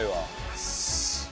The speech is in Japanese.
よし！